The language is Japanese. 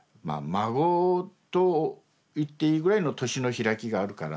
孫といっていいぐらいの年の開きがあるから。